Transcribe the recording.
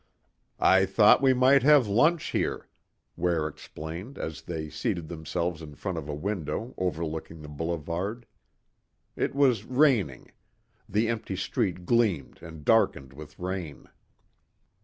"I thought we might have lunch here," Ware explained as they seated themselves in front of a window overlooking the boulevard. It was raining. The empty street gleamed and darkened with rain.